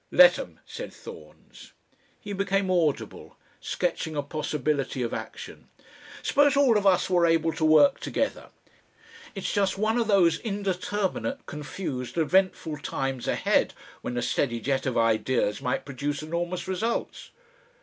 "Let 'em," said Thorns. He became audible, sketching a possibility of action. "Suppose all of us were able to work together. It's just one of those indeterminate, confused, eventful times ahead when a steady jet of ideas might produce enormous results."